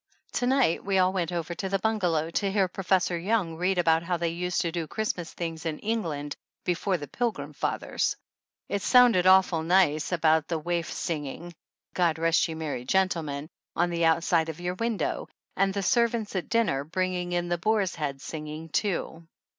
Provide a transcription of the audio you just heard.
To night we all went over to the bungalow to hear Professor Young read about how they used to do Christmas things in England before the Pilgrim Fathers. It sounded awful nice about 112 THE ANNALS OF ANN the waifs singing, "God rest you, merry gentle men," on the outside of your window, and the servants at dinner bringing in the boar's head, singing too.